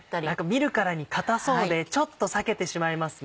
見るからに硬そうでちょっと避けてしまいますね。